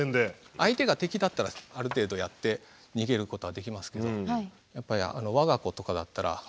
相手が敵だったらある程度やって逃げることはできますけどやっぱり我が子とかだったら。